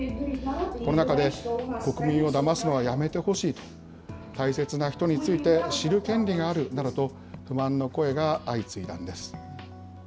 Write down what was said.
この中で、国民をだますのはやめてほしいと、大切な人について知る権利があるなどと、不満の声が相次いだんです。